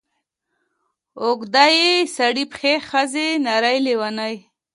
اوږده ې سړې پښې ښځې نرې لېونې